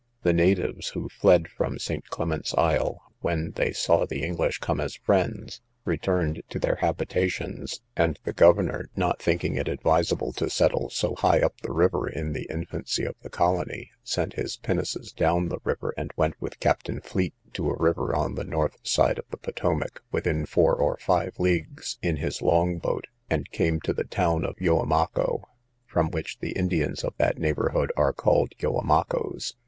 The natives, who fled from St. Clement's isle, when they saw the English come as friends, returned to their habitations; and the governor, not thinking it advisable to settle so high up the river in the infancy of the colony, sent his pinnaces down the river, and went with Captain Fleet to a river on the north side of the Potowmac, within four or five leagues, in his long boat, and came to the town of Yoamaco, from which the Indians of that neighbourhood are called Yoamacoes.